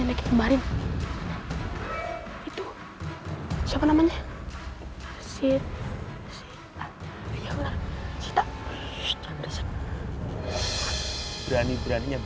ya kak ribet apa lah si dika tolong